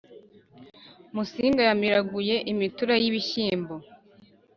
Musinga yamiraguye imitura y’ibishyimbo